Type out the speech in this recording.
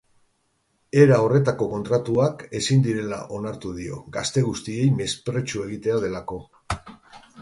Era horretako kontratuak ezin direla onartu dio, gazte guztiei mespretxu egitea delako.